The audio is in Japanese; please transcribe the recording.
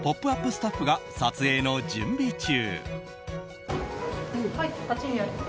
スタッフが撮影の準備中。